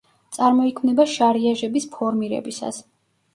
წარმოიქმნება შარიაჟების ფორმირებისას.